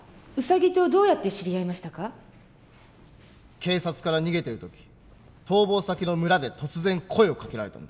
警察から逃げている時逃亡先の村で突然声をかけられたんだ。